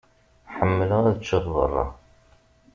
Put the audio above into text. Ḥemmleɣ ad ččeɣ berra.